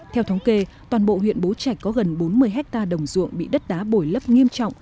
theo thống kê toàn bộ huyện bố trạch có gần bốn mươi hectare đồng ruộng bị đất đá bồi lấp nghiêm trọng